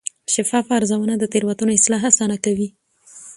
شفاف ارزونه د تېروتنو اصلاح اسانه کوي.